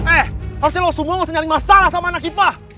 eh harusnya lo semua mau nyari masalah sama anak ipa